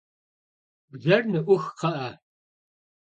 Bjjer nı'ux, kxhı'e!